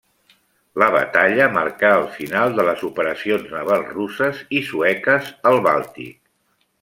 La batalla marcà el final de les operacions navals russes i sueques al Bàltic.